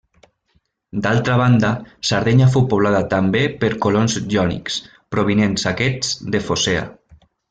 D'altra banda, Sardenya fou poblada també per colons jònics, provinents aquests de Focea.